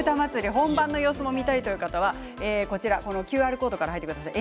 本番の様子も見たいという方はＱＲコードから入ってください。